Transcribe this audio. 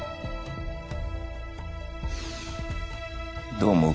どう思う？